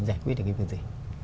giải quyết được cái việc gì